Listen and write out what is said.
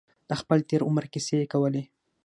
د خپل تېر عمر کیسې یې کولې.